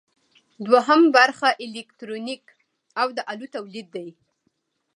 دوهم برخه الکترونیک او د الو تولید دی.